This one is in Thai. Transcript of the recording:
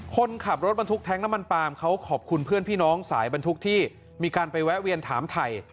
คนขับรถบรรทุกแท้งน้ำมันปาล์มเขาขอบคุณเพื่อนพี่น้องสายบรรทุกที่มีการไปแวะเวียนถามไทย